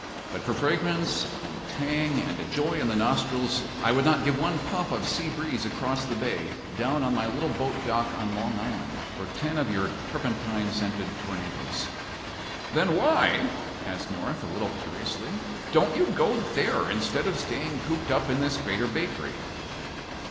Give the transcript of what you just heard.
"But for fragrance and tang and a joy in the nostrils I would not give one puff of sea breeze across the bay, down on my little boat dock on Long Island, for ten of your turpentine scented tornadoes." "Then why," asked North, a little curiously, "don't you go there instead of staying cooped up in this Greater Bakery?"